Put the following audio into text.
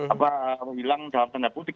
apa menghilang dalam tanda putih